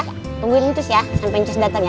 tungguin nicos ya sampai nicos datang ya